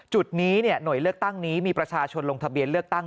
จุดนี้หน่วยเลือกตั้งนี้มีประชาชนลงทะเบียนเลือกตั้ง